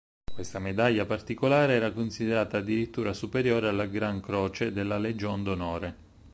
Questa medaglia particolare era considerata addirittura superiore alla Gran croce della Legion d'Onore.